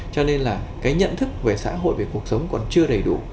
cho nên là cái nhận thức về xã hội về cuộc sống còn chưa đầy đủ